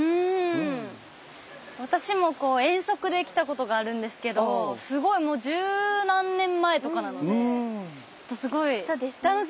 私も遠足で来たことがあるんですけどすごいもう十何年前とかなのですごい楽しみですねはい。